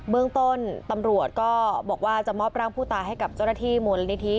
เมืองต้นตำรวจก็บอกว่าจะมอบร่างผู้ตายให้กับเจ้าหน้าที่มูลนิธิ